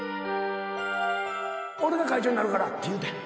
俺が会長になるからって言うてん。